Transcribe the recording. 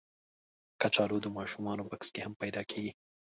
کچالو د ماشومانو بکس کې هم پیدا کېږي